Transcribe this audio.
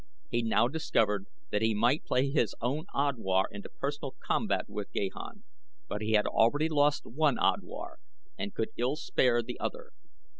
He now discovered that he might play his own Odwar into personal combat with Gahan; but he had already lost one Odwar and could ill spare the other.